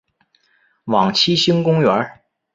往七星公园